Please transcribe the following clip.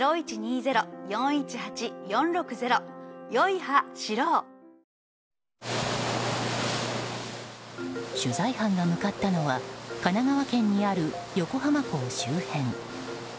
味の素の「コンソメ」取材版が向かったのは神奈川県にある横浜港周辺。